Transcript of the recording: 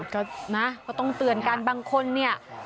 ก็นะก็ต้องเตือนกันบางคนเนี่ย